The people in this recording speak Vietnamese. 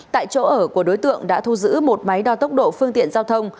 tại chỗ ở của đối tượng đã thu giữ một máy đo tốc độ phương tiện giao thông